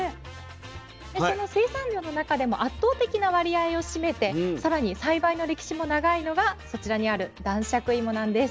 その生産量の中でも圧倒的な割合を占めて更に栽培の歴史も長いのがそちらにある男爵いもなんです。